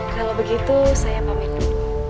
kalau begitu saya pamit